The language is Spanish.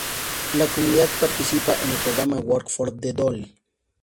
La comunidad participa en el programa "Work for the Dole".